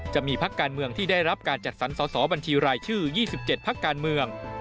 จะมีพักการเมืองที่ได้รับการจัดสรรสอสอบัญชีรายชื่อ๒๗พักการเมือง